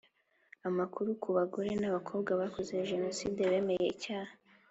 Amakuru ku bagore n abakobwa bakoze Jenoside bemeye icyaha